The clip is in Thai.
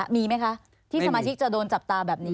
มีไหมคะที่สมาชิกจะโดนจับตาแบบนี้